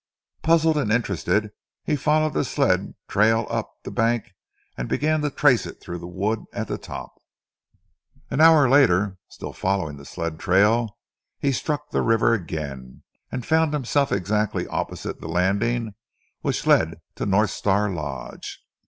Puzzled and interested he followed the sled trail up the bank and began to trace it through the wood at the top. An hour later, still following the sled trail he struck the river again, and found himself exactly opposite the landing which led to North Star Lodge.